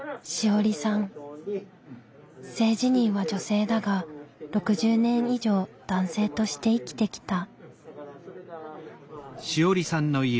性自認は女性だが６０年以上男性として生きてきた。